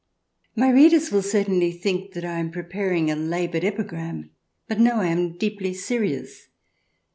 My readers will certainly think that 1 am preparing a laboured epigram, but no, I am deeply serious.